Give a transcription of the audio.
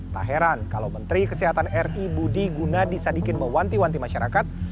tak heran kalau menteri kesehatan ri budi gunadisadikin mewanti wanti masyarakat